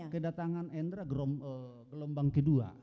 kedatangan hendra ke lombang kedua